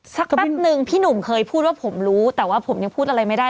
แป๊บนึงพี่หนุ่มเคยพูดว่าผมรู้แต่ว่าผมยังพูดอะไรไม่ได้